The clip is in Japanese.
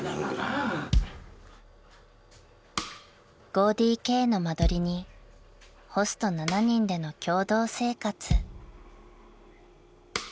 ［５ＤＫの間取りにホスト７人での共同生活］